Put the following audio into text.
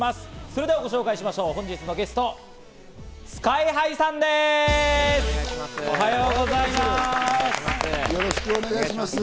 それではご紹介しましょう、本日のゲスト、ＳＫＹ−ＨＩさんお願いします。